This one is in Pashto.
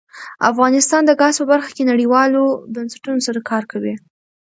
افغانستان د ګاز په برخه کې نړیوالو بنسټونو سره کار کوي.